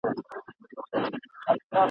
که سړه شپه اوږده سي !.